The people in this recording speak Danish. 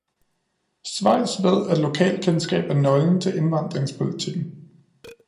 Schweiz ved, at lokalkendskab er nøglen til indvandringspolitikken.